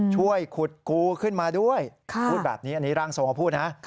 ช่วยขุดกูขึ้นมาด้วยพูดแบบนี้อันนี้ร่างทรงเขาพูดนะ